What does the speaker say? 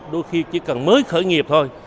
đôi khi chỉ cần mới khởi nghiệp thôi